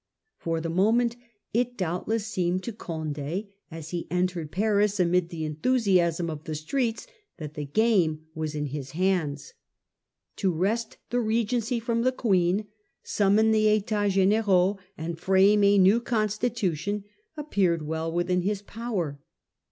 For the moment it doubtless seemed to Conde, as he entered Paris amid the enthusiasm of the streets, that Difficulties g ame was m h is hands. To wrest the of Condi. regency from the Queen, summon the litats Giniraux, , and frame a new constitution, appeared well within his power.